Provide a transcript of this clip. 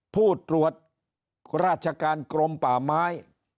ผู้ตรวจราชการกรมป่าไม้